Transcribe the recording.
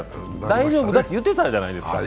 大丈夫だって言ってたじゃないですか。